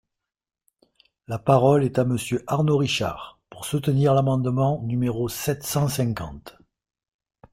La parole est à Monsieur Arnaud Richard, pour soutenir l’amendement numéro sept cent cinquante.